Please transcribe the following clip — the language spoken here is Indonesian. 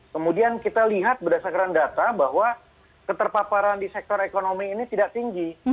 kemudian kita lihat berdasarkan data bahwa keterpaparan di sektor ekonomi ini tidak tinggi